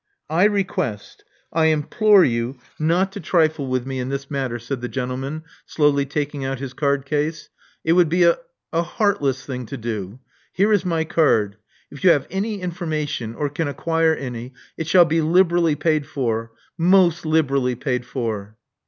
I request — I — I implore you not to trifle with me 72 Love Among the Artists in this matter," said the gentleman, slowly taking out his card case. It would be a — a heartless thing to do. Here is my card. If you have any information, or can acquire any, it shall be liberally paid for — most liberally paid for."